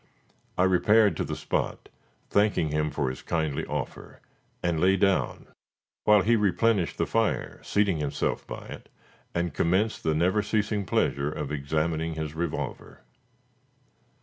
I repaired to the spot, thanking him for his kindly offer, and lay down, while he replenished the fire, seating himself by it, and commenced the never ceasing pleasure of examining his revolver.